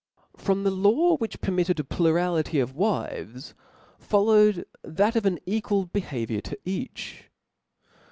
FROM the law which permitted a plurality of wives, followed that of an equal behaviour to each.